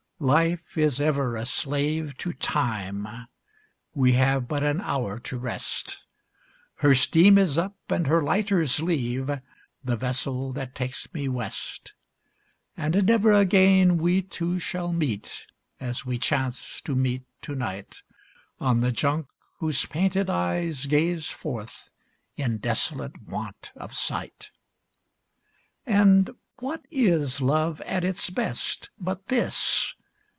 Life is ever a slave to Time; we have but an hour to rest, Her steam is up and her lighters leave, the vessel that takes me west; And never again we two shall meet, as we chance to meet to night, On the Junk, whose painted eyes gaze forth, in desolate want of sight. And what is love at its best, but this?